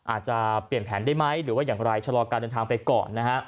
อาจจะเปลี่ยนแผนได้ไหมหรือว่าอย่างไรชะลอการเดินทางไปก่อนนะฮะ